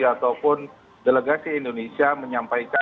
atau pun delegasi indonesia menyampaikan